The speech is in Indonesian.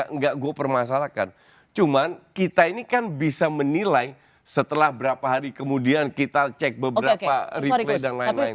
nggak gue permasalahkan cuman kita ini kan bisa menilai setelah berapa hari kemudian kita cek beberapa replay dan lain lain